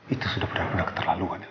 itu sudah benar benar terlalu elsa